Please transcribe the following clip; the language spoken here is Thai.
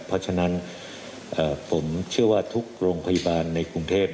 เพราะฉะนั้นผมเชื่อว่าทุกโรงพยาบาลในกรุงเทพ